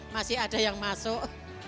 masih ada yang masuk